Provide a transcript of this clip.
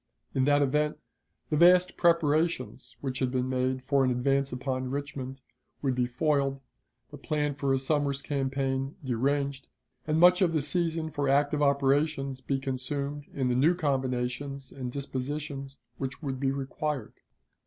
In that event, the vast preparations which had been made for an advance upon Richmond would be foiled, the plan for his summer's campaign deranged, and much of the season for active operations be consumed in the new combinations and dispositions which would be required.